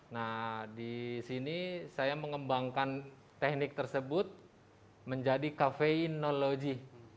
nah di sini saya mengembangkan teknik tersebut menjadi kafeinologi